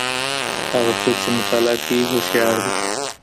هغه څوک چي مطالعه کوي هوښیار دی.